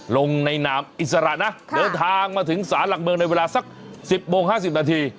ลงในนามอิสระนะเดินทางมาถึงศาลหลักเมืองในเวลาสัก๑๐โมง๕๐นาที